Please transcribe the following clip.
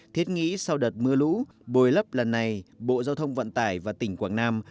thiết nghĩ sau đợt mưa lũ bồi lấp lần này bộ giao thông vận tải và tỉnh quảng nam